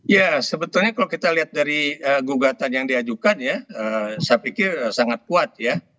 ya sebetulnya kalau kita lihat dari gugatan yang diajukan ya saya pikir sangat kuat ya